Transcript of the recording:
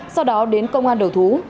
sau đó đến công an đầu thú